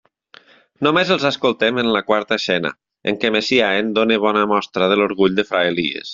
Només els escoltem en la quarta escena, en què Messiaen dóna bona mostra de l'orgull de fra Elies.